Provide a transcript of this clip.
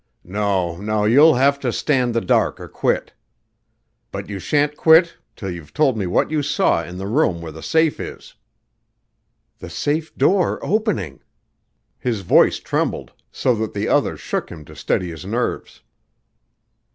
No, no, you'll have to stand the dark or quit. But you shan't quit till you've told me what you saw in the room where the safe is." "The safe door opening." His voice trembled so that the other shook him to steady his nerves.